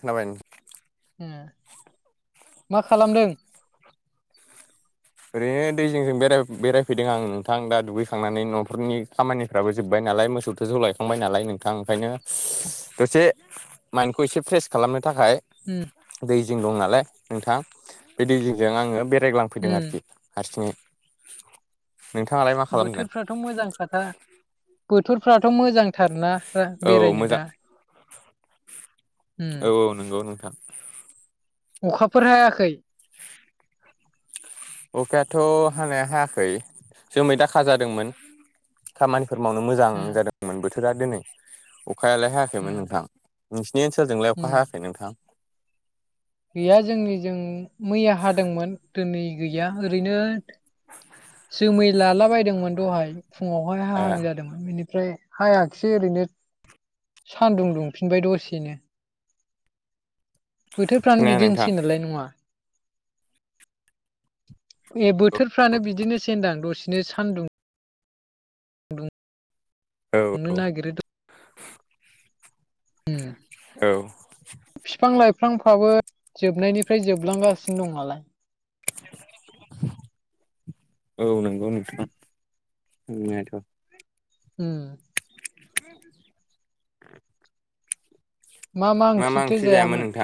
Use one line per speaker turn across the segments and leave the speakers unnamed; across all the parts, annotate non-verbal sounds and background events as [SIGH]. खोनाबाय
मा खालामदों
ओरैनो दै जिं जिं बे बेरायफैदों आं नोंथां दा दुगैखांनानै न'फोरनि खामानि फ्राबो जोब्बाय नालाय मोसौ थोसौ लायखांबाय नालाय नोंथां ओंखायनो दसे माइन्डखौ एसे फ्रेस खालामनो थाखाय
होम
दैजिं दं नालाय नोंथां बे दै जिजों आङो बेरायग्लांफैदों आरोखि
उम
हारसिंयै नोंथांङालाय मा
बोथोरफ्राथ' मोजां खोथा बोथोरफ्राथ' मोजांथार ना
औ
बेरायनो
मोजां
दा उम
औ औ नंगौ नोंथां।
अखाफोर हायाखै
अखायाथ' हानाया हायाखै जोमै दाखा जादोंमोन खामानि फोरमावनो मोजां
उम
जादोंमोन बोथोरा दिनै अखायालायहाय [UNINTELLIGIBLE]
उम
नोंथां नोंसिोरनि ओनसोलजोंलाय अखा
उम
हायाखै नोंथां
गैया जोंनि जों मैया हादोंमोन दिनै गैया ओरैनो जोमै लाला बदोंमोन दहाय फुङावहाय
ए
हाहां जादोंमोन। बिनिफ्राय हायाखसै ओरैनो सान्दुं दुंफिनबाय दसेनो बोथोरफ्रानो
खोनाया नोंथां
बिदिनोसै नायलाय नंङा ए बो बोथोरफ्रानो बिदिनो दां दसेनो सान्दुं
औ औ
दुंनो नागिरो उम
औ
बिफां लाइफांफ्राबो जोबनायनिफ्राय जोबलांगासिनो दं नालाय
औ नंगौ नोंथां नंनायाथ'
उम
[INAUDIBLE]
मा मा ओंख्रिथो जायामोन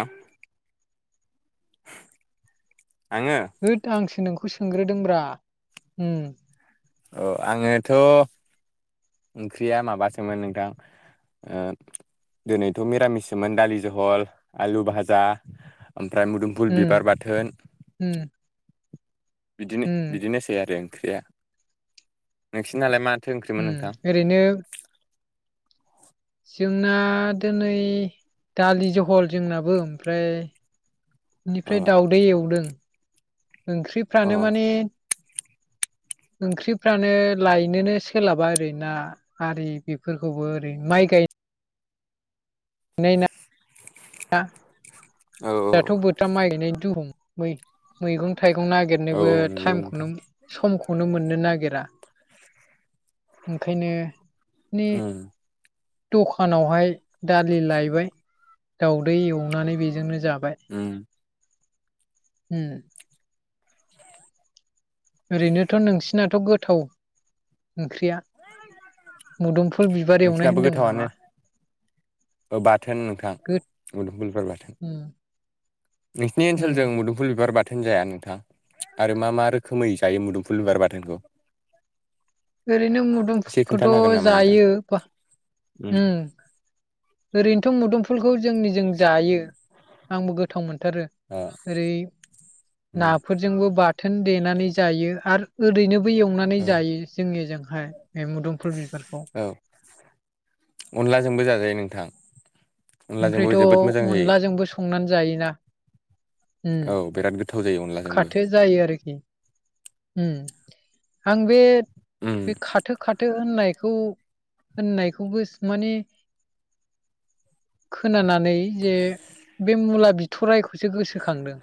आंङो
होद आंसो नोंखौ सोंग्रोदोंब्रा उम
औ आंङोथ' ओंख्रिया माबासोमोन नोंथां दिनैथ' मिरामिसमोन दालि जहल आलु भाजा ओमफ्राय मुदुमफुल
उम
बिबार बाथोन
उम
बिदिनो
उम
बिदिनोसै आरो ओंख्रिया नोंसिनालाय मा
ओरैनो जोंना दिनै दालि जहल जोंनाबो ओमफ्राय
अ
इनिफ्राय दाउदै एवदों
अ
ओंख्रिफ्रानो
औ
माने
[INAUDIBLE]
ओंख्रिफ्रानो लायनोनो सोलाबा ओरै ना आरि बेफोरखौबो ओरै माइ गाय नाय ना [UNINTELLIGIBLE]
औ
दाथ' बोथोरा माइ गायनाय दुहुम मैगं थाइगं
औ
नागिरनोबो
नंगौ नोंथां
टाइमखौनो समखौनो मोननो नागिरा ओंखायनो नि
उम
दखानावहाय दालि लायबाय दाउदै एवनानै बेजोंनो जाबाय
उम
ओरैनोथ' नोंसिनाथ' गोथाव ओंख्रिया मुदुमफुल बिबार एवनाय
नोंसिनाबो
होनदोंमोन
गोथावानो
नामा
बाथोन नोंथां
गोद
मुदुमफुल बिबार बाथोन
उम
नोंसिनि
उम
ओनसोलजोंं मुदुम फुल बिबार बाथोन जाया नोंथां आरो मा मा रोखोमै जायो मुदुमफुल बिबार बाथोनखौ
ओरैनो
एसे खोन्थानो हागोन
मुदुमफुलखौथ'
नामा नोंथां?
जायो ओरैनोथ' मुदुमफुलखौ जोंनि जों जायो आंबो गोथाव मोनथारो
ओ
ओरै
उम
नाफोरजोंबो बाथोन देनानै जायो आरो ओरैनो बो एवनानै
औ
जायो जोंनिजोंहाय बे मुदुमफुल बिबारखौ
औ अनलाजोंबो जाजायो नोंथां अनलाजोंबो जोबोद
ओमफ्रायथ'
मोजां जायो
अनलाजोंबो संनानै जायोना उम
औ बिराद गोथाव जायो अनलाजोंबो
खाथो जायो आरोखि आं बे
उम
बे खा थो खाथो होननायखौ होननायखौबो माने खोनानानै जे बे मुला बि थ'रायखौसो गोसोखांदों,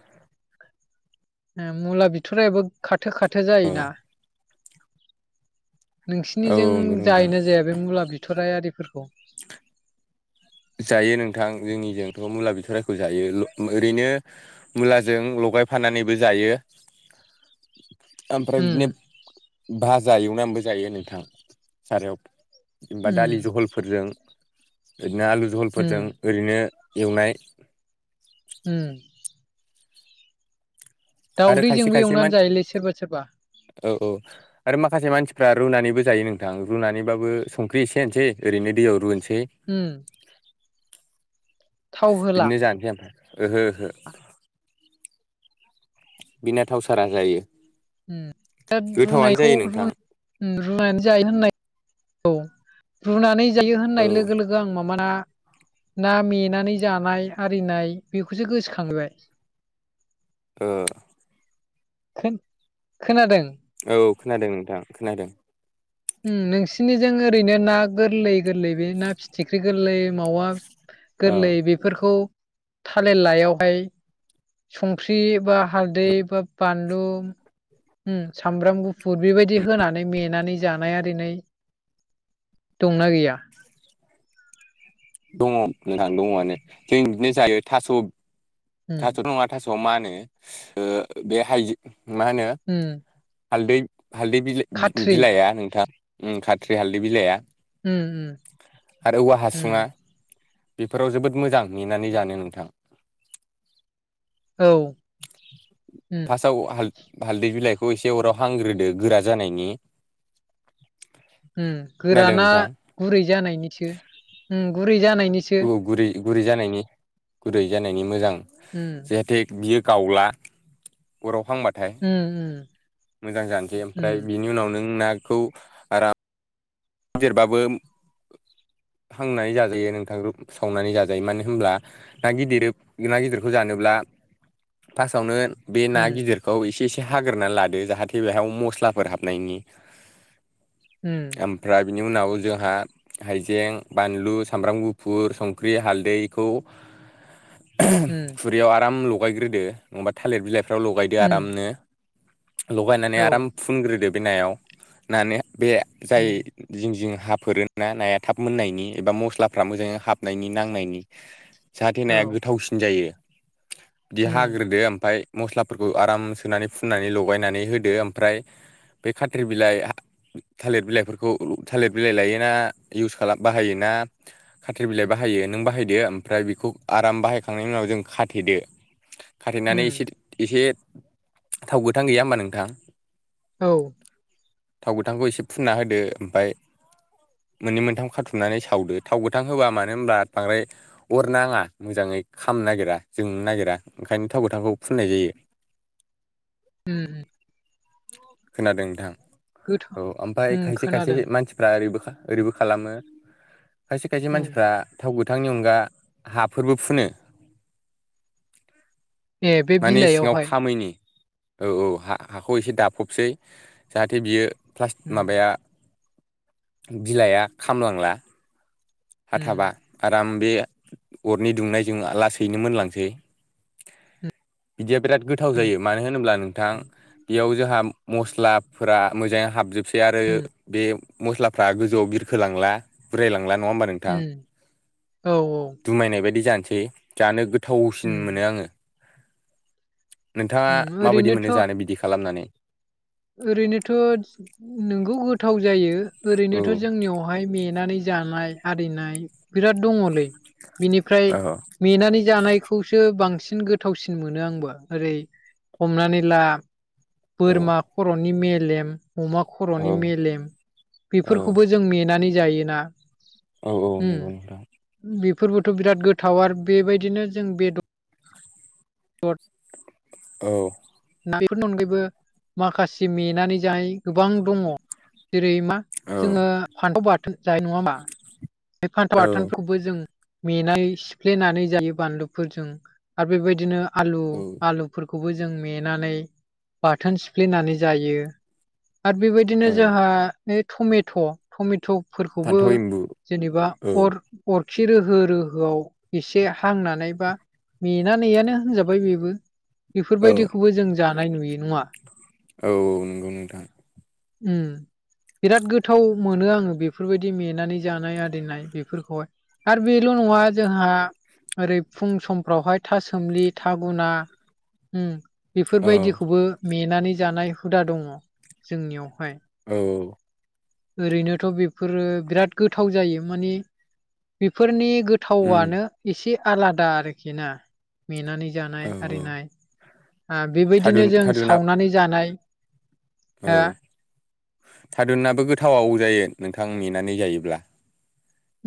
मुला बिथ'राइयाबो खाथो खाथो जायोना
औ
नोंसिनिजों
नंगौ नोंथां
जायोना जाया बे मुला बिथ'राइ आरिफोरखौ
जायो नोंथां जोंनिजोंथ' मुला बिथ'राइखौ जायो ओरैनो मुलाजों लगायफानानैबो जायो ओमफ्राय
उम
बिदिनो भाजा एवनानैबो जायो नोंथां सारायाव जेनबा
उम
दालि जहलफोरजों इदनो आलु
उम
जहलफोरजों ओरैनो एवनाय
[UNINTELLIGIBLE]
आरो खायसे
दाउदैजोंबो
खायसे मानसि
एवनानै जायोलै सोरबा सोरबा
औ औ आरो माखासे मानसिफ्रा रुनानैबो जायो नोंथां रुनानैबाबो संख्रि एसे होनसै ओरैनो दैयाव रुनोसै
[UNINTELLIGIBLE] थाव होला
बिदिनो जानसै ओमफ्राय ओहो ओहो बिना थाव सारा जायो
दा
गोथावानो
रुनायखौ
जायो
रु
नोंथां
रुनानै जायो होननाय औ रुनानै जायो
औ
होननाय लोगो लोगो गो आं माबा ना ना मेनानै जानाय आरिनाय बेखौसो गोसोखांहैबाय
ओ
खोन खोनादों
औ खोनादों नोंथां खोनादों
ओम नोंसिनिजों ओरैनो ना गोरलै गोरलै बे ना फिथिख्रि गोरलै मावा
औ
गोरलै बेफोरखौ थालिर लायावहाय संख्रि बा हालदै बा बानलु ओम सामब्राम गुफुर बेबायदि होनानै मेनानै जानाय आरिना दंना गैया?
दङ' नोंथां दङ'आनो जों बिदिनो जायो थास'
उम
थास' नङा थास'आ मानो ओ बे हाइजो मा होनो
उम
हालदै हालदै बिला
खाथ्रि
बिलाइआ नोंथां खाथ्रि हालदै बिलाइआ
ओम ओम ओम
बिफोराव जोबोद मोजां मेनानै जानो नोंथां
औ ओम
फासाव हाल हालदै बिलाइखौ एसे अराव हांग्रोदो गोरा जानायनि [INAUDIBLE]
ओम गोरा
खोनादों
ना
नोंथां
गुरै जानायनिसो ओम गुरै जानायनिसो
औ गुरै गुरै जानायनि गुरै जानायनि मोजां
ओम
जाहाथे बियो गावला अराव हांबाथाय
ओम ओम ओम
मोजां जानोसै ओमफ्राय बिनि उनाव नों नाखौ आराम गिदिरबाबो हांनानै जाजायो नोंथां रू सावनानै जाजायो मानो होनब्ला ना गिदिर ना गिदिरखौ जानोब्ला फार्स्टआवनो बे
उम
ना गिदिरखौ एसे एसे हाग्रोनानै लादो जाहाथे बेहाय मस्लाफोर हाबनायनि
[INAUDIBLE] ओम
ओमफ्राय बिनि उनाव जोंहा हाइजें बानलु सामब्राम गुफुर संख्रि हालदैखौ
उम
खुरैयाव आराम लगायग्रोदो नङाबा थालिर बिलाइफ्राव लगायदो आरामनो
उम
लगायनानै
औ
आराम फुनग्रोदो बे नायाव नानि बे जाय
उम
जिं जिं हाफोरो ना नाया थाब मोननायनि एबा मस्लाफ्रा मोजाङै हाबनायनि नांनायनि जाहाथे
औ
नाया गोथावसिन जायो बिदि
उम
हाग्रोदो ओमफ्राय मस्लाफोरखौ आराम सोनानै फुननानै लगायनानै होदो ओमफ्राय बे खाथ्रि बिलाइ थालिर बिलाइफोरखौ थालिर बिलाइ लायोना इउस खालाम बाहायो ना खाथिरि बिलाइ बाहायो नों बाहायदो ओमफ्राय बेखौ आराम बाहायखांनायनि उनाव जों खाथेदो खाथेनानै एसे
उम
एसे थाव गोथां गैया होमबा नोंथां
औ
थाव गोथांखौ एसे फुनना होदो ओमफाय मोननै मोनथाम खाथुमनानै सावदो थाव गोथां होबा मानो होमब्ला बांद्राय अर नांङा मोजाङै खामनो नागिरा जोंनो नागिरा ओंखायनो थाव गोथांखौ फुननाय जायो। [INAUDIBLE]
उम
खोनादों नोंथां
गोथाव
औ ओमफ्राय
उम
खायसे खायसे
खोनादों
मानसिफ्रा ओरैबो ओरैबो खालामो खायसे खायसे
उम
मानसिफ्रा थाव गोथांनि अनगा हा फोरबो फुनो
ए बे
माने सिंङाव
बिलाइयावहाय
खामैनि औ औ हाखौ एसे दाफबसै जाहाथे बियो
उम
माबाया बिलाइआ खामलांला
उम
खाथाबा आराम बे अरनि दुंनायजों लासैनो मोनलांसै बिदिया बिराद गोथाव जायो मानो होनोब्ला नोंथां बेयाव जोंहा मस्लाफोरा मोजांङै हाबजोबसै आरो बे मस्लाफ्रा गोजौआव बिरखोलांला उरायलांला नंङा होमबा नों
उम औ औ
दुमायनाय बायदि जानोसै जानो गोथावसिन
उम
मोनो आंङो नोंथांङा
उम
माबायदि
ओरैनोथ'
मोनो जानो बिदि खालामनानै
ओरैनोथ' नोंगौ गोथाव जायो
औ
ओरैनोथ' जोंनियाव बेहाय नेेनानै जानाय आरिनाय बिराद दंङोलै बिनिफ्राय
औ
नेेनानै जानायखौसो बांसिन गोथावसिन मोनो आंबोओरै हमनानै ला
औ
बोरमा खर'नि मेलेम अमा
औ
खर'नि मेलेम
औ
बेफोरखौबो जों नेेनानै जायोना
औ औ
उम
नंगौ नोंथां
बेफोरबोथ' बिराद गोथाव आरो बेबायदिनो जों बेदर [UNINTELLIGIBLE]
औ
दा बेफोरनि अनगायैबो माखासे नेनानै जाय गोबां दंङो जेरै मा
औ
जोंङो फान्थाव बाथोन जानाय नंङामा बे फान्थाव
औ
बाथोनखौ जों मेंनाय सिफ्लेनानै जायो बानलुफोरजों आरो बेबायदिनो आलु
औ
आलुफोरखौबो जों मेनानै बाथोन सिफ्लेनानै जायो। आरो बेबायदिनो
औ
जोंहा बे टमेट' टमेट' फोरखौबो
फान्थाव एम्बु
जेनेबा
औ
अर अरखि रोहो रोहोआव एसे हांनानै बा मेनानैयानो होनजाबाय बेबो
औ
बेफोरबायदिखौबो जों जानाय नुयो नंङा
औ नंगौ नोंथां
उम बिराद गोथाव मोनो आंङो बेफोरबायदि नेेनानै जानाय आरिनाय बेफोरखौहाय आरो बेल' नंङा जोंहा आरो फुं समफ्रावहाय था सोमलि था गुना उम
औ
बेफोरबायदिखौबो मेनानै जानाय हुदा दंङो जोंनियावहाय
औ औ
ओरैनोथ' बेफोरो बिराद गोथाव जायो माने बेफोरनि
उम
गोथावनो एसे आलादा आरोखि ना मेनानै
औ
जानाय
औ
आरिनाय
थारुन
बेबायदिनो जों
थारुना
सावनानै जानाय
औ
हा
थारुनाबो गोथाव जायो नोंथां मेनानै जायोब्ला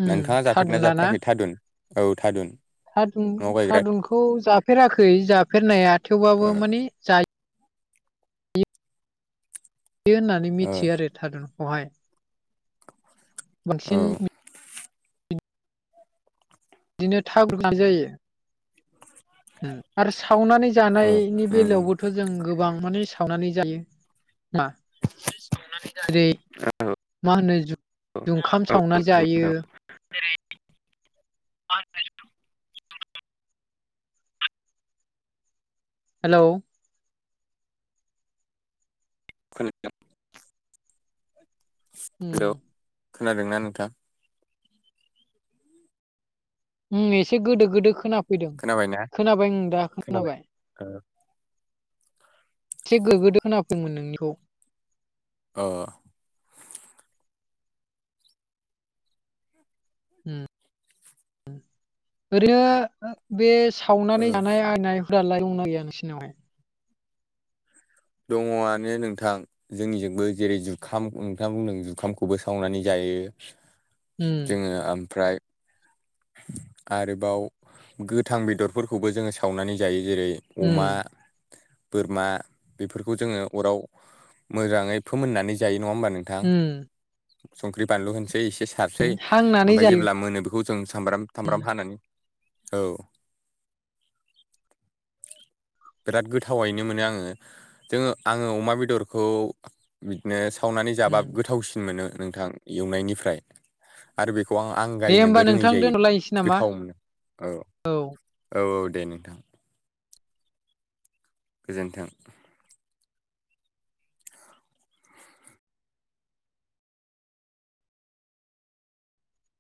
उम
नोंथाङा जाफेरदोना
थादुना ना
जाफेराखै थादुन औ थादुन
थादुन
न'आव गायग्रा
थादुनखौ जाफेराखै जाफेरनाया थेवबाबो माने जा यो होननानै
औ
मिथियो आरो थारुनखौहाय
औ
बांसिन बिदिनो थाब्रुनाय जायो। [UNINTELLIGIBLE] आरो सावनानै
औ
जानायनि
उम
बेलायावबोथ' जों गोबां माने सावनानै जायो। ना जेरै मा होनो जुखाम सावनानै जायो।
[INAUDIBLE]
हेलौ
खोना [UNINTELLIGIBLE]
उम
खोनादोंना नोंथां
उम एसे गोदो गोदो खोना फैदों
खोनाबायना
खोनाबाय आं दा खोनाबाय
अ
एसे गोगोदो खोना फैदोंमोन नोंनिखौ
अ
उम ओरैनो बे सावनानै जानाय आरिनाय फ्रालाय दंना गैया नोंसिनावलाय
दङआनो नोंथां जोंनिजोंबो जेरै जुखाम नोंथाङा बुंदों जुखामखौबो सावनानै जायो
उम
जोङो ओमफ्राय आरोबाव गोथां बेदरफोरखौबो जोङो सावनानै जायो जेरै
उम
अमा बोरमा बेफोरखौ जोङो अराव मोजाङै फोमोननानै जायो नङा होमबा नों थां
उम
संख्रि बानलु होनसै एसे सारसै
हांनानै
ओमफ्राय
जायो
जेब्ला मोनो बेखौ जों सामब्राम थामब्राम हानानै औ बिराद गोथावैनो मोनो आङो जोङो आङो अमा बेदरखौ बिदिनो सावनानै जाबा
उम
गोथावसिन मोनो नोंथां एवनायनिफ्राय आरो बेखौ आं
दे होमबा
आंगायनोबो रोङि
नोंथां
जायो
दोनथ'लायनोसै नामा
गोथाव मोनो औ औ औ दे नोंथां गोजोन्थों